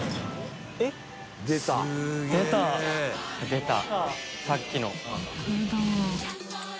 出たさっきの。